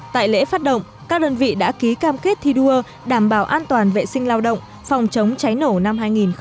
tại lễ phát động các đơn vị đã ký cam kết thi đua đảm bảo an toàn vệ sinh lao động phòng chống cháy nổ năm hai nghìn một mươi chín